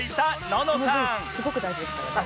「この文すごく大事ですからね」